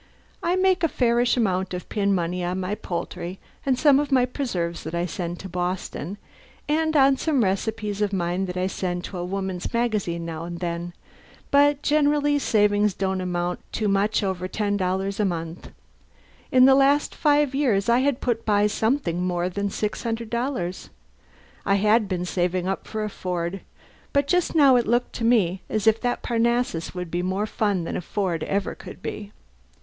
I make a fairish amount of pin money on my poultry and some of my preserves that I send to Boston, and on some recipes of mine that I send to a woman's magazine now and then; but generally my savings don't amount to much over $10 a month. In the last five years I had put by something more than $600. I had been saving up for a Ford. But just now it looked to me as if that Parnassus would be more fun than a Ford ever could be.